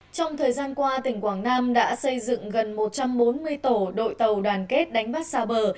trong thời gian qua tỉnh quảng nam đã xây dựng gần một trăm bốn mươi tổ đội tàu đoàn kết đánh bắt xa bờ